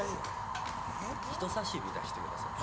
人さし指出してください。